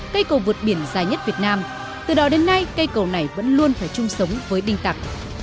cây cầu vượt biển dài nhất việt nam từ đó đến nay cây cầu này vẫn luôn phải chung sống với đinh tặc